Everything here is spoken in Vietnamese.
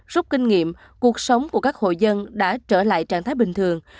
rút kinh nghiệm cuộc sống của các hộ dân đã trở lại trạng thái bình thường